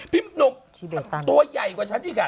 พิมพ์หนูกตัวใหญ่กว่าฉันอีกค่ะ